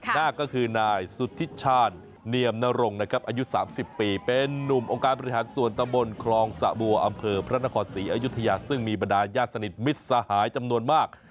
หน้าก็คือนายสุธิชาญเนียมนรงนะครับอายุ๓๐ปีเป็นนุ่มองค์การบริหารส่วนตำบลคลองสะบัวอำเภอพระนครศรีอยุธยาซึ่งมีบรรดาญาติสนิทมิตรสหายจำนวนมาก